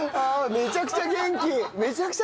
めちゃくちゃ元気じゃん。